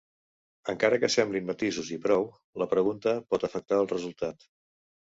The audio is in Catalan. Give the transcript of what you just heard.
Encara que semblin matisos i prou, la pregunta pot afectar el resultat.